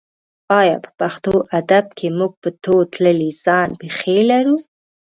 ایا په پښتو ادب کې موږ په تول تللې ځان پېښې لرو؟